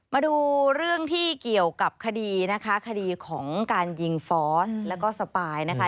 มาดูเรื่องที่เกี่ยวกับคดีนะคะคดีของการยิงฟอสแล้วก็สปายนะคะ